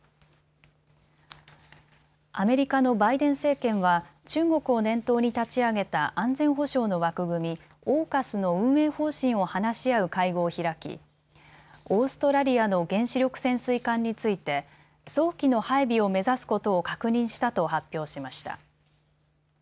アメリカのバイデン政権は中国を念頭に立ち上げた安全保障の枠組み、ＡＵＫＵＳの運営方針を話し合う会合を開きオーストラリアの原子力潜水艦について早期の配備を目指すことを確認したと発表しました。